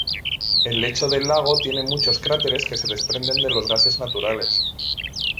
El lecho del lago tiene muchos cráteres que se desprenden de los gases naturales.